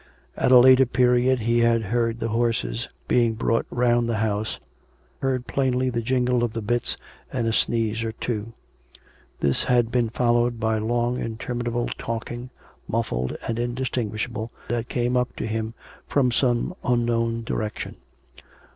At a later period he had heard the horses being brought round the house; heard plainly the jingle of the bits and a sneeze or two. This had been followed by long inter minable talking, muffled and indistinguishable, that came up to him from some unknown direction.